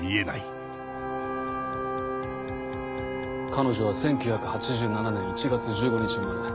彼女は１９８７年１月１５日生まれ。